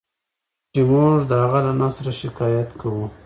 چې موږ د هغه له نثره شکایت کوو.